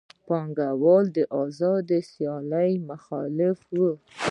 پانګوال د آزادې سیالۍ مخالف وو